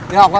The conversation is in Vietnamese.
đi học hả